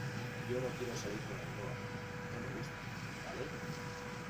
yo no quiero salir con Ainhoa, no me gusta ,¿ vale?